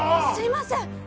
すいません